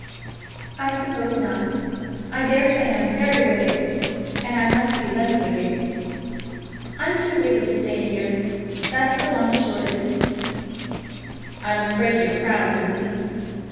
"I suppose not. I daresay I'm very wicked, and I must be left wicked. I'm too wicked to stay here. That's the long and the short of it." "I'm afraid you're proud, Lucy."